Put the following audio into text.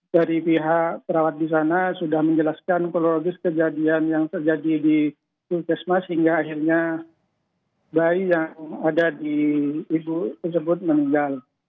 dari pihak perawat di sana sudah menjelaskan kronologis kejadian yang terjadi di puskesmas hingga akhirnya bayi yang ada di ibu tersebut meninggal